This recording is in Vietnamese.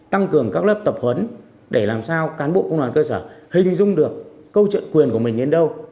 tăng cường các lớp tập huấn để làm sao cán bộ công đoàn cơ sở hình dung được câu chuyện quyền của mình đến đâu